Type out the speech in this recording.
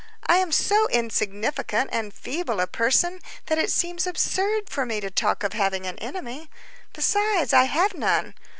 "I am so insignificant and feeble a person that it seems absurd for me to talk of having an enemy. Besides, I have none.